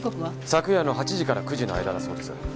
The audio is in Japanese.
昨夜の８時から９時の間だそうです。